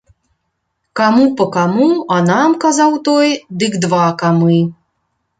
Каму па каму, а нам, казаў той, дык два камы.